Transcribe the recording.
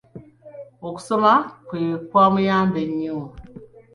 Okusoma kwe kwamuyamba nnyo.